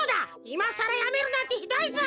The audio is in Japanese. いまさらやめるなんてひどいぞ！